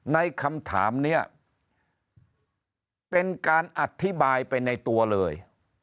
ในคำถามนี้เป็นการอธิบายไปในตัวเลย